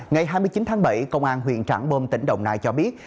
ngày hai mươi chín tháng bảy công an huyện trảng bom tỉnh đồng nai cho biết